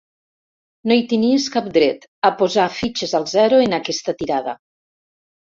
No hi tenies cap dret, a posar fitxes al zero en aquesta tirada.